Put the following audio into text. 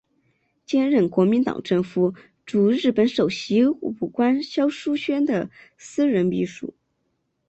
兼任国民党政府驻日本首席武官肖叔宣的私人秘书。